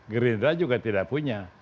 gerindra juga tidak punya